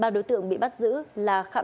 ba đối tượng bị bắt giữ là khạm